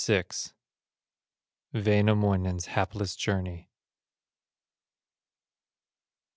WAINAMOINEN'S HAPLESS JOURNEY.